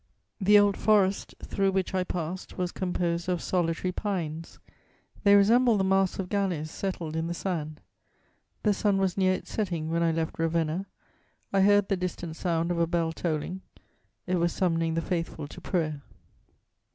"The old forest through which I passed was composed of solitary pines: they resembled the masts of galleys settled in the sand. The sun was near its setting when I left Ravenna; I heard the distant sound of a bell tolling: it was summoning the faithful to prayer."